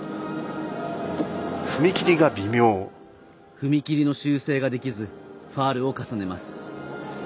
踏切の修正ができずファウルを重ねます。